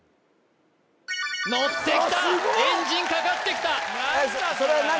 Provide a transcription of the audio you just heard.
ノってきたエンジンかかってきたそれは何？